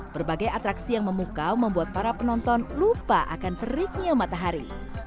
berbagai atraksi yang memukau membuat para penonton lupa akan teriknya matahari